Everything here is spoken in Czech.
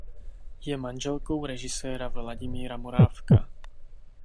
Je manželkou režiséra Vladimíra Morávka.